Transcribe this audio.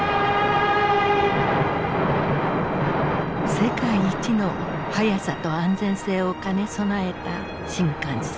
世界一の速さと安全性を兼ね備えた新幹線。